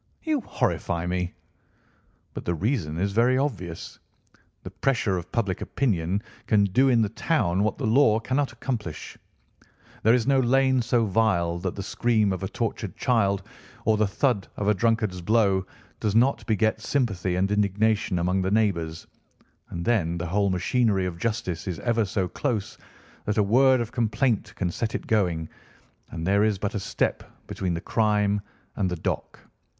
"You horrify me!" "But the reason is very obvious. The pressure of public opinion can do in the town what the law cannot accomplish. There is no lane so vile that the scream of a tortured child, or the thud of a drunkard's blow, does not beget sympathy and indignation among the neighbours, and then the whole machinery of justice is ever so close that a word of complaint can set it going, and there is but a step between the crime and the dock.